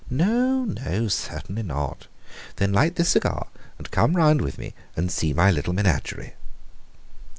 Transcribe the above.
"No, no; certainly not." "Then light this cigar and come round with me and see my little menagerie."